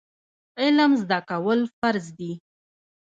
علم زده کول فرض دي